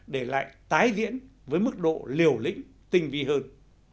để lại tái diễn với mức độ liều lĩnh tinh vi hơn